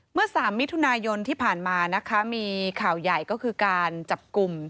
เมื่อ๓มิถุนายนที่ผ่านมานะคะมีข่าวใหญ่ก็คือการจับกลุ่ม